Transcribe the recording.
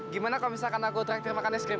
gimana kalau misalkan aku terakhir makan es krim